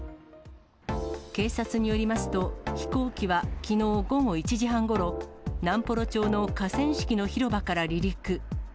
警察によりますと、飛行機は、きのう午後１時半ごろ、南幌町の河川敷の広場から離陸。